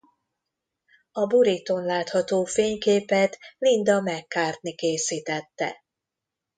A borítón látható fényképet Linda McCartney készítette.